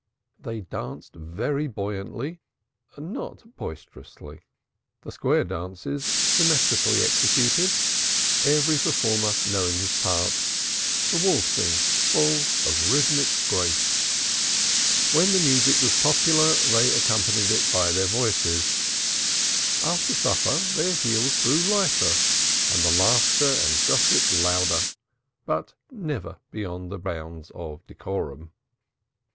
They danced very buoyantly, not boisterously; the square dances symmetrically executed, every performer knowing his part; the waltzing full of rhythmic grace. When the music was popular they accompanied it on their voices. After supper their heels grew lighter, and the laughter and gossip louder, but never beyond the bounds of decorum.